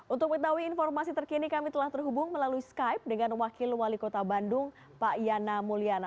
untuk mengetahui informasi terkini kami telah terhubung melalui skype dengan wakil wali kota bandung pak yana mulyana